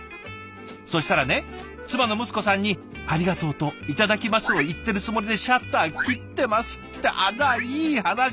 そしたらね妻のむつこさんに「ありがとう」と「いただきます」を言ってるつもりでシャッター切ってますってあらいい話。